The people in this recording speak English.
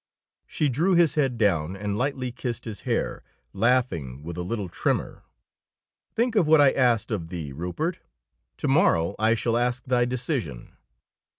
She drew his head down and lightly kissed his hair, laughing with a little tremor: "Think of what I asked of thee, Rupert. To morrow I shall ask thy decision."